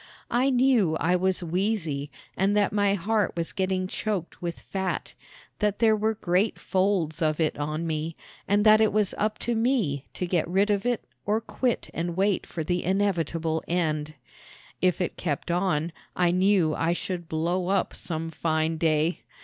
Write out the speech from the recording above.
I knew I was wheezy and that my heart was getting choked with fat; that there were great folds of it on me, and that it was up to me to get rid of it or quit and wait for the inevitable end. If it kept on I knew I should blow up some fine day.